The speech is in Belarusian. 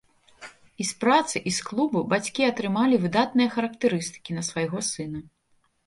І з працы, і з клубу бацькі атрымалі выдатныя характарыстыкі на свайго сына.